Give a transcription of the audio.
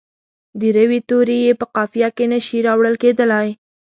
د روي توري یې په قافیه کې نه شي راوړل کیدلای.